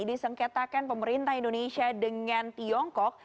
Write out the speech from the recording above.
disengketakan pemerintah indonesia dengan tiongkok